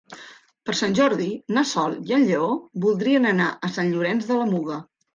Per Sant Jordi na Sol i en Lleó voldrien anar a Sant Llorenç de la Muga.